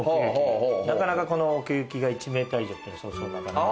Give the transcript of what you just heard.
なかなかこの奥行きが１ｍ以上ってそうそう。